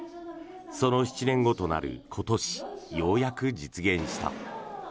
その７年後となる今年ようやく実現した。